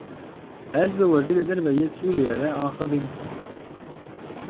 Ez bi Wezîrê Derve yê Sûriye re axivîm.